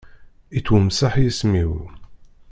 Ittwamseḥ yism-iw.